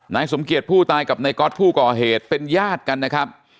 นายสมเกียจผู้ตายกับนายก๊อตผู้ก่อเหตุเป็นญาติกันนะครับ